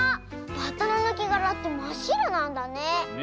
バッタのぬけがらってまっしろなんだね。